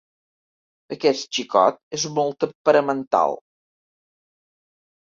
Aquest xicot és molt temperamental.